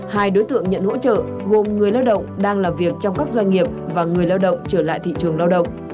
hai đối tượng nhận hỗ trợ gồm người lao động đang làm việc trong các doanh nghiệp và người lao động trở lại thị trường lao động